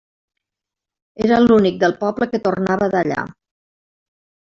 Era l'únic del poble que tornava d'allà.